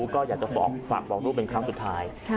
ก็อยากจะฝากบอกลูกเป็นครั้งสุดท้าย